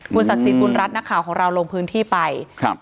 คุณศักดิ์สิทธิ์คุณรัฐนักข่าวของเราลงพื้นที่ไป